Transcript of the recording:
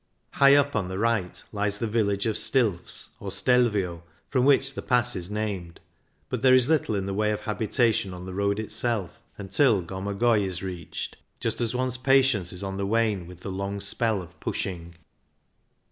High up on the right lies the vil lage of Stilfs, or Stelvio, from which the pass is named, but there is little in the way of habitation on the road itself until Goma goi is reached, just as one's patience is on the wane with the long spell of pushing.